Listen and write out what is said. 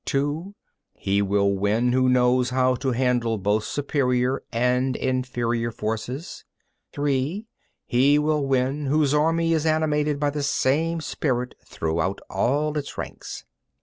(2) He will win who knows how to handle both superior and inferior forces. (3) He will win whose army is animated by the same spirit throughout all its ranks.